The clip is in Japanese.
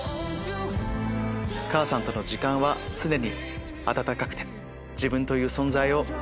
「母さんとの時間は常に温かくて自分という存在を」。